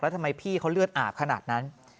ทำไมพี่เขาเลือดอาบขนาดนั้น